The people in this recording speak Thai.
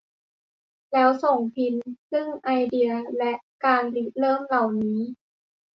แล้วส่งพิน ซึ่งไอเดียและการริเริ่มเหล่านี้